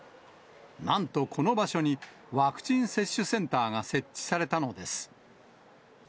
なんとこの場所に、ワクチン接種センターが設置されたのです。